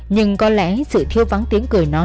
nhưng có lẽ sự thiếu vắng tiếng của cô cháu gái